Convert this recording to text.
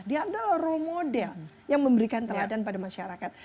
dia adalah role model yang memberikan teladan pada masyarakat